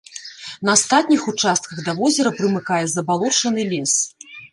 На астатніх участках да возера прымыкае забалочаны лес.